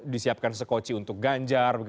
disiapkan sekoci untuk ganjar